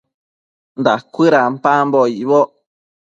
Dacuëdampambo icboc